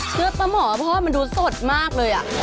เชื้อประหมอเพราะว่ามันดูสดมากเลย